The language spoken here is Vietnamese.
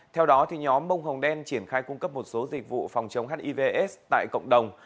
theo đó nhóm bông hồng đen triển khai cung cấp một số dịch vụ phòng chống hiv aids tại cộng đồng